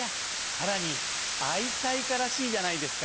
さらに愛妻家らしいじゃないですか。